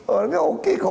orangnya oke kok